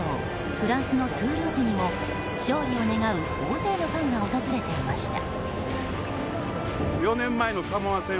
フランスのトゥールーズにも勝利を願う大勢のファンが訪れていました。